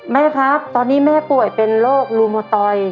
แม่ครับตอนนี้แม่ป่วยเป็นโรคลูโมตอย